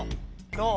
どう？